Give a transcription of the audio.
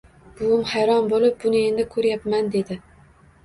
Buvim hayron bo‘lib, buni endi ko‘ryapman, dedi